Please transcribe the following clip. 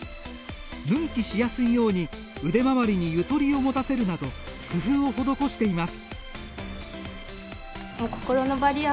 脱ぎ着しやすいように腕回りにゆとりを持たせるなど工夫を施しています。